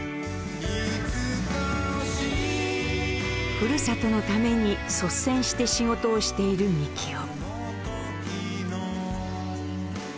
ふるさとのために率先して仕事をしているみきお。